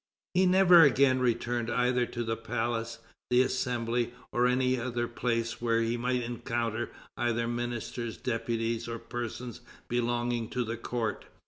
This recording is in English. He never again returned either to the palace, the Assembly, or any other place where he might encounter either ministers, deputies, or persons belonging to the court.